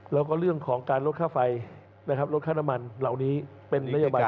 แล้วก็เรื่องของการลดค่าไฟลดค่าน้ำมันเหล่านี้เป็นนโยบายทั้งต้น